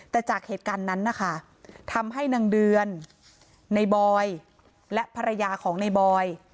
แต่จากเหตุการณ์นั้นนะคะทำให้นางเดือนในบอยและภรรยาของในบอย